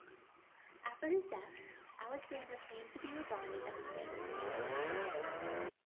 After his death, Alexander came to be regarded as a saint of the Church.